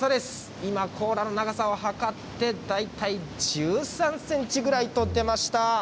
今、甲羅の長さを測って、大体１３センチぐらいと出ました。